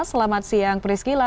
selamat siang priscila